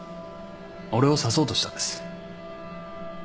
俺を刺そうとしたんです。